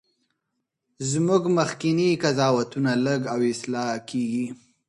زموږ مخکني قضاوتونه لږ او اصلاح کیږي.